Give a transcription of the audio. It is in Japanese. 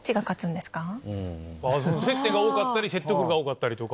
でも接点が多かったり説得力が多かったりとか。